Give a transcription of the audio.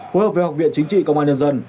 phối hợp với học viện chính trị công an nhân dân